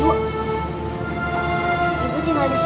ibu tinggal disini aja ya ibu